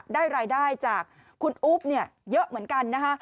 ได้รายได้จากคุณอุ๊บเนี่ยเยอะเหมือนกันนะคะ